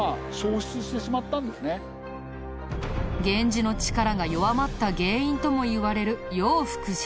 源氏の力が弱まった原因ともいわれる永福寺。